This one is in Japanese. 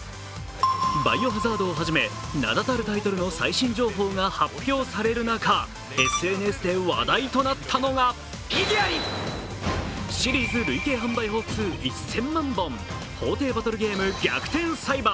「バイオハザード」をはじめ名だたるタイトルの最新情報が発表される中、ＳＮＳで話題となったのが、シリーズ累計販売本数１０００万本、法廷バトルゲーム「逆転裁判」。